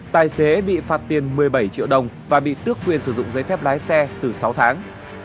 tài xế bị phạt tiền một mươi bảy triệu đồng và bị tước quyền sử dụng giấy phép lái xe từ sáu tháng